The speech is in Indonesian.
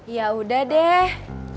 ya udah deh